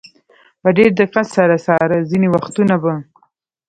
په ډېر دقت سره څاره، ځینې وختونه به.